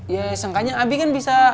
ya sangkanya abi kan bisa